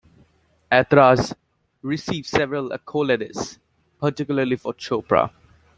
"Aitraaz" received several accolades, particularly for Chopra.